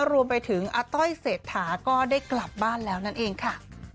รวมไปถึงอาต้อยเศรษฐาก็ได้กลับบ้านแล้วนั่นเองค่ะ